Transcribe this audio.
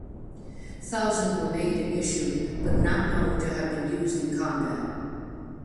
Thousands were made and issued but not known to have been used in combat.